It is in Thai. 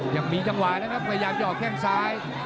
ยังมีจังหวาชรรพระยังจะเอาแค่งซ้าย